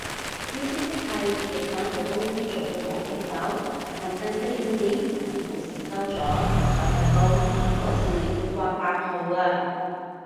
意思即係你返到公司做到冇停手，臨近四五點等股市收咗就收得工嗰時會掛八號啊